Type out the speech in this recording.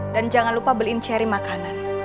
dan jangan lupa beliin ceri makanan